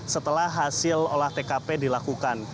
setelah hasil olah tkp dilakukan